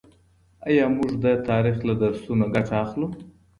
آيا موږ د تاريخ له درسونو ګټه اخلو؟